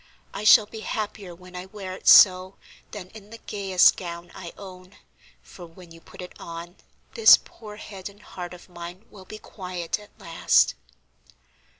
I shall be happier when I wear it so than in the gayest gown I own, for when you put it on, this poor head and heart of mine will be quiet at last."